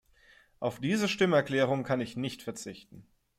Auf diese Stimmerklärung kann ich nicht verzichten.